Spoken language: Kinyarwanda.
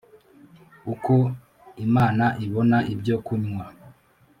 Uko Imana ibona ibyo kunywa